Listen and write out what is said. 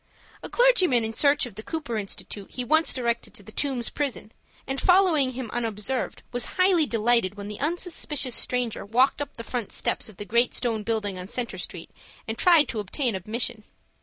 A clergyman in search of the Cooper Institute he once directed to the Tombs Prison, and, following him unobserved, was highly delighted when the unsuspicious stranger walked up the front steps of the great stone building on Centre Street, and tried to obtain admission.